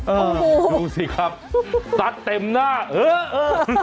ดูสิครับตัดเต็มหน้าเออเออ